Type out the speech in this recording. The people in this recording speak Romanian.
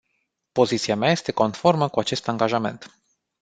Poziția mea este conformă cu acest angajament.